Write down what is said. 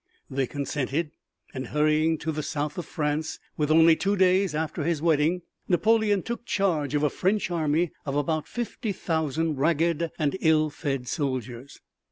They consented, and hurrying to the south of France only two days after his wedding, Napoleon took charge of a French army of about fifty thousand ragged and ill fed soldiers.